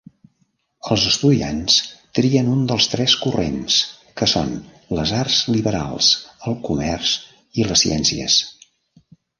Els estudiants trien un dels tres corrents, que són les arts liberals, el comerç i les ciències.